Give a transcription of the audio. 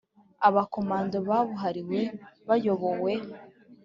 aba komando kabuhariwe bayobowe